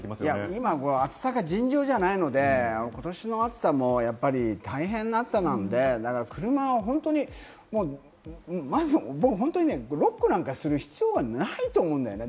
今、暑さが尋常じゃないので、今年の暑さも大変な暑さなので、車を本当に、まずロックなんかする必要はないと思うんだよね。